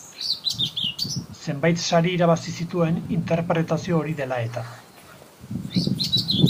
Zenbait sari irabazi zituen interpretazio hori dela eta.